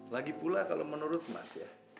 lagi pula kalau menurut mas ya